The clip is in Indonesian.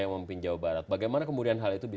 yang memimpin jawa barat bagaimana kemudian hal itu